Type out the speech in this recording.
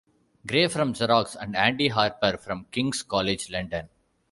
Gray from Xerox, and Andy Harper from King's College London.